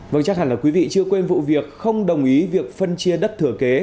vâng chắc hẳn là quý vị chưa quên vụ việc không đồng ý việc phân chia đất thừa kế